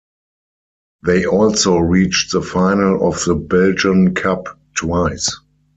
They also reached the final of the Belgian Cup twice.